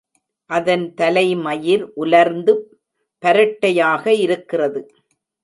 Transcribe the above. அதன் தலைமயிர் உலர்ந்து பரட்டையாக இருக்கிறது.